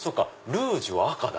ルージュは赤だ。